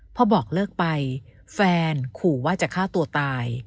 พอบอกเลิกไปแฟนขู่ว่าจะฆ่าตัวตาย